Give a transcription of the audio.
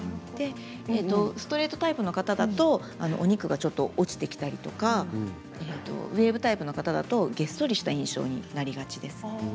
ストレートタイプはお肉がちょっと落ちてきたりウエーブタイプの方はげっそりした印象になりがちです。